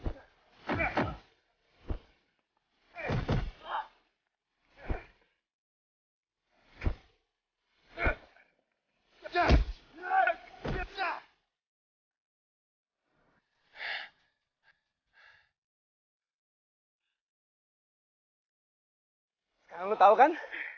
karena lu tahu kan